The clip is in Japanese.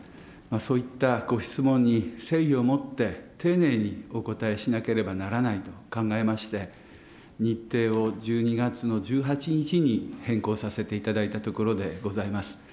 そういったご質問に誠意をもって丁寧にお答えしなければならないと考えまして、日程を１２月の１８日に変更させていただいたところでございます。